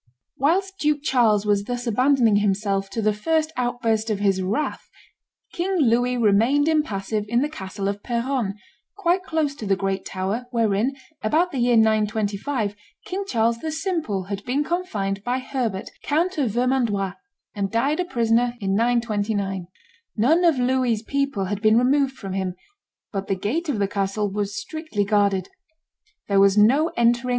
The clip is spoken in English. Whilst Duke Charles was thus abandoning himself to the first outburst of his wrath, King Louis remained impassive in the castle of Peronne, quite close to the great tower, wherein, about the year 925, King Charles the Simple had been confined by Herbert, Count of Vermandois, and died a prisoner in 929. None of Louis's people had been removed from him; but the gate of the castle was strictly guarded. There was no entering.